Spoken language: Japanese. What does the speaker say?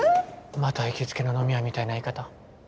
また行きつけの飲み屋みたいな言い方。